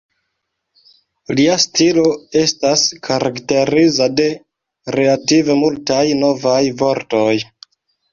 Lia stilo estas karakterizita de relative multaj "novaj" vortoj.